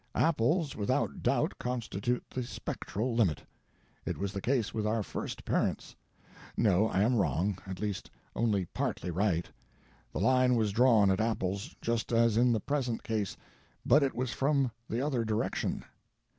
Apples, without doubt, constitute the spectral limit. It was the case with our first parents. No, I am wrong—at least only partly right. The line was drawn at apples, just as in the present case, but it was from the other direction."